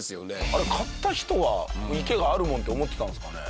あれ買った人は池があるもんって思ってたんですかね？